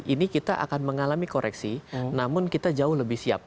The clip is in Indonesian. ini kita akan mengalami koreksi namun kita jauh lebih siap